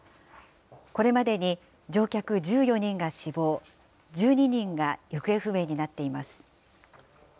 これまでに乗客１４人が死亡、１２人が行方不明になっています。